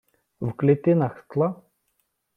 В клітинах скла...